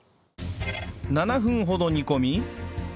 ７分ほど煮込み